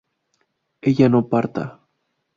ella no parta